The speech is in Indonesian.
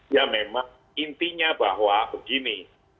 ya memang intinya bahwa begini